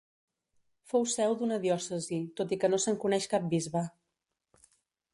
Fou seu d'una diòcesi, tot i que no se'n coneix cap bisbe.